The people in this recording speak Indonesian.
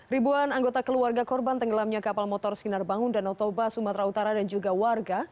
ribuan anggota keluarga korban tenggelamnya kapal motor sinar bangun danau toba sumatera utara dan juga warga